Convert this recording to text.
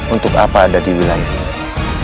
untuk apa ada di wilayah ini